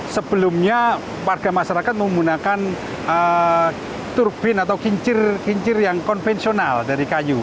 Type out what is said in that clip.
sebelumnya warga masyarakat menggunakan turbin atau kincir kincir yang konvensional dari kayu